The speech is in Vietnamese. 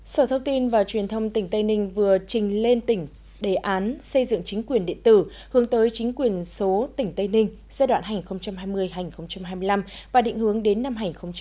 sở thông tin và truyền thông tỉnh tây ninh vừa trình lên tỉnh đề án xây dựng chính quyền điện tử hướng tới chính quyền số tỉnh tây ninh giai đoạn hành hai mươi hai nghìn hai mươi năm và định hướng đến năm hai nghìn ba mươi